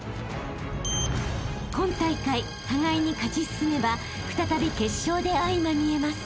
［今大会互いに勝ち進めば再び決勝で相まみえます］